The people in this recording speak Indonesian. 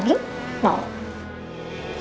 nanti abis mandi